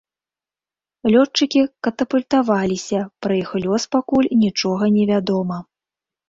Лётчыкі катапультаваліся, пра іх лёс пакуль нічога невядома.